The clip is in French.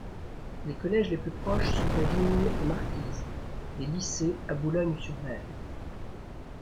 Les collèges les plus proches sont à Wimille et Marquise, les lycées à Boulogne-sur-Mer.